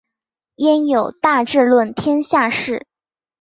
焉有大智论天下事！